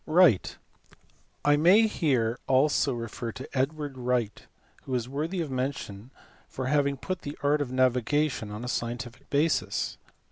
Wright*. I may here also refer to Edward Wright, who is worthy of mention for having put the art of navigation on a scientific basis.